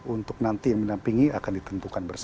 untuk nanti yang menampingi akan ditentukan bersama